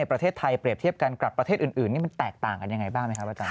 ประเทศไทยเปรียบเทียบกันกับประเทศอื่นนี่มันแตกต่างกันยังไงบ้างไหมครับอาจาร